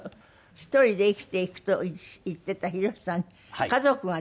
１人で生きていくと言ってたヒロシさんに家族ができた？